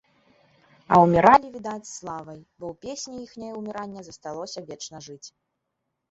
А ўміралі, відаць, з славай, бо ў песні іхняе ўміранне засталося вечна жыць.